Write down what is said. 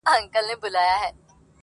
او پر ښار باندي نازل نوی آفت سو٫